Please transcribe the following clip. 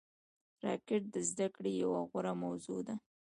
راکټ د زده کړې یوه غوره موضوع ده